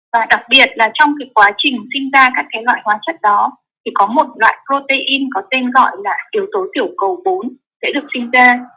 và đặc biệt là trong quá trình sinh ra các loại hóa chất đó thì có một loại protein có tên gọi là yếu tố tiểu cầu bốn sẽ được sinh ra